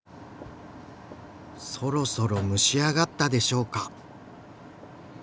そろそろ蒸し上がったでしょうか？